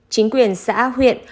chính quyền xã huyện